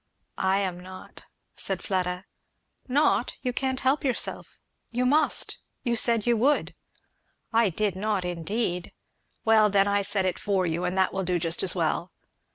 "I am not," said Fleda. "Not? you can't help yourself; you must; you said you would." "I did not indeed." "Well then I said it for you, and that will do just as well.